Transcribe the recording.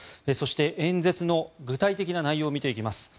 そして、演説の具体的な内容を見ていきます。